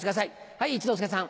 はい一之輔さん。